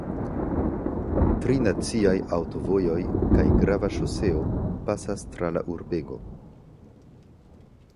Tri naciaj aŭtovojoj kaj grava ŝoseo pasas tra la urbego.